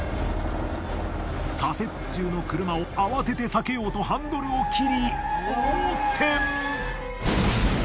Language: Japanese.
左折中の車を慌てて避けようとハンドルを切り横転。